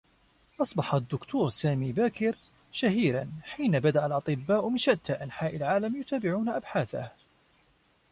أصبح الدّكتور سامي باكر شهيرا حين بدأ الأطبّاء من شتّى أنحاء العالم يتابعون أبحاثه.